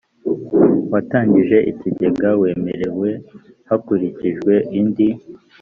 uwatangije ikigega wemerewe hakurikijwe indi